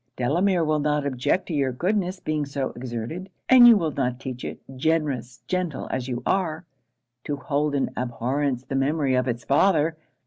Delamere will not object to your goodness being so exerted; and you will not teach it, generous, gentle as you are! to hold in abhorrence the memory of it's father.